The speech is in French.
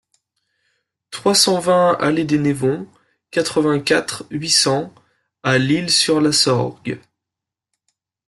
trois cent vingt allée des Névons, quatre-vingt-quatre, huit cents à L'Isle-sur-la-Sorgue